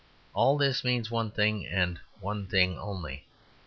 All this means one thing, and one thing only.